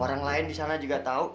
orang lain di sana juga tahu